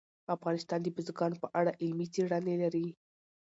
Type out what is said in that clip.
افغانستان د بزګانو په اړه علمي څېړنې لري.